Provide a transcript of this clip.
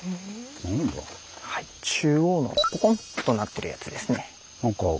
中央のポコンとなってるやつですね。